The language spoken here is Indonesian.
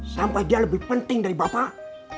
sampai dia lebih penting dari bapak